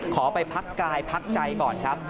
ขอไปพักกายพักใจก่อนครับ